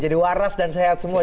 jadi waras dan sehat semua